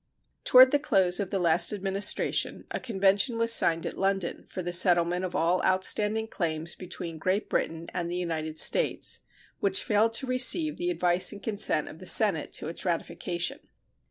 Toward the close of the last Administration a convention was signed at London for the settlement of all outstanding claims between Great Britain and the United States, which failed to receive the advice and consent of the Senate to its ratification.